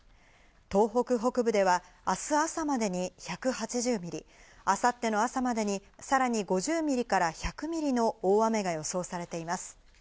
東北北部では明日朝までに１８０ミリ、明後日の朝までに、さらに５０ミリから１００ミリの大雨が予想されています。